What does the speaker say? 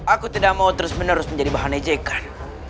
aku tidak mau terus menerus menjadi bahan aja ikan